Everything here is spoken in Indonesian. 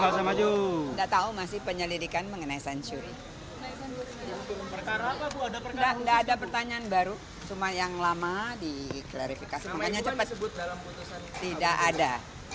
cuma yang lama diklarifikasi makanya cepat tidak ada